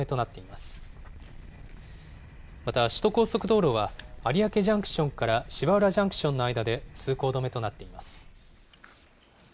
また首都高速道路は、有明ジャンクションから芝浦ジャンクションの間で通行止めとなっています。